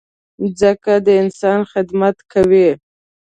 مځکه د انسان خدمت کوي.